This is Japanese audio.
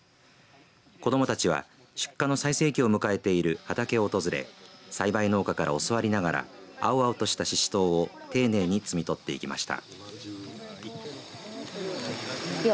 子どもたちは出荷の最盛期を迎えている畑を訪れ栽培農家から教わりながら青々としたししとうを丁寧に摘み取っていました。